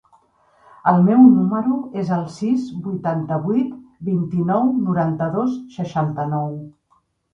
El meu número es el sis, vuitanta-vuit, vint-i-nou, noranta-dos, seixanta-nou.